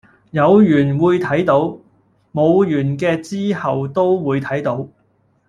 有緣會睇到，冇緣既話之後都會睇到